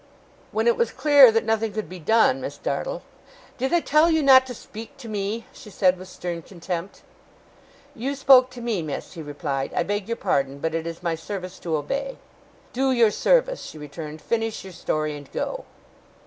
'When it was clear that nothing could be done, Miss Dartle ' 'Did I tell you not to speak to me?' she said, with stern contempt. 'You spoke to me, miss,' he replied. 'I beg your pardon. But it is my service to obey.' 'Do your service,' she returned. 'Finish your story, and go!